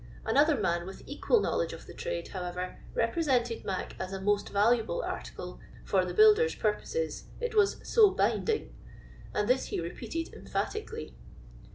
Another man, with equal knowledge of the trade, however, represented " mac" as a most valuable article for the builder's purposes, it was " so binding" and this he repeated emphatically.